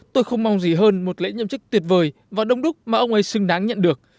tôi không mong gì hơn một lễ nhậm chức tuyệt vời và đông đúc mà ông ấy xứng đáng nhận được